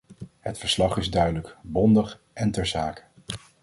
Het verslag is duidelijk, bondig en ter zake.